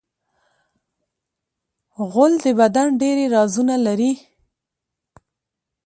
غول د بدن ډېری رازونه لري.